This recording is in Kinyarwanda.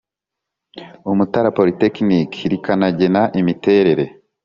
Umutara polytechnic rikanagena imiterere